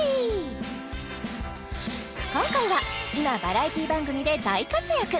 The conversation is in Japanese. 今回は今バラエティー番組で大活躍